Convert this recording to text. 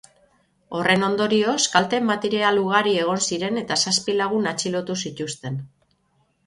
Horren ondorioz kalte material ugari egon ziren eta zazpi lagun atxilotu zituzten.